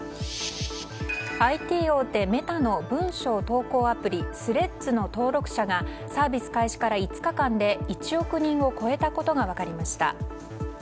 ＩＴ大手メタの文章投稿アプリスレッズの登録者がサービス開始から５日間で１億人を超えたことが分かりました。